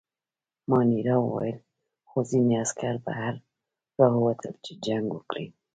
مانیرا وویل: خو ځینې عسکر بهر راووتل، چې جنګ وکړي.